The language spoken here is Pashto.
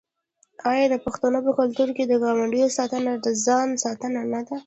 آیا د پښتنو په کلتور کې د ګاونډي ساتنه د ځان ساتنه نه ده؟